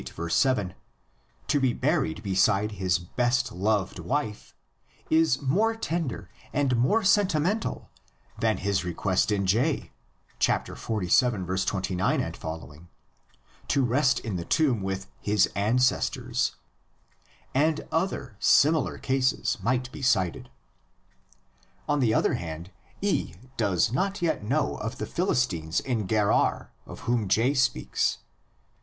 7), to be buried beside his best loved wife is more tender and more sentimental than his request in J (xlvii. 29 ff.) to rest in the tomb with his ancestors; and other similar cases might be cited. On the other hand, E does not yet know of the Philistines in Gerar of whom J speaks (xxi.